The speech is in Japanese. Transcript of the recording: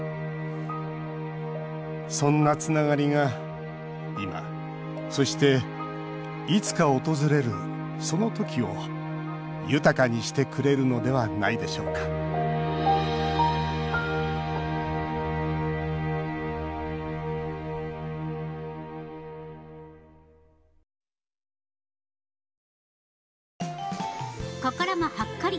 そんなつながりが今、そして、いつか訪れるその時を豊かにしてくれるのではないでしょうか心もほっこり